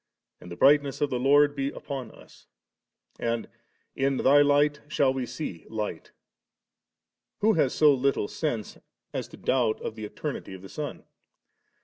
' And the brightness of the Lord be upon us,' and, * In Thy Light shall we see Light*,' who has so little sense as to doubt of the eternity of the Son ^